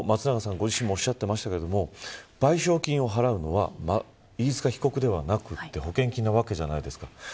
ご自身もおっしゃってましたけども賠償金を払うのは飯塚被告ではなくて保険金なわけじゃないですか。